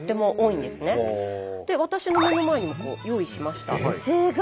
私の目の前にも用意しました。